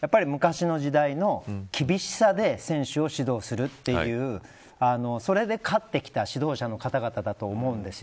やっぱり昔の時代の厳しさで選手を指導するというそれで勝ってきた指導者の方々だと思うんですよ。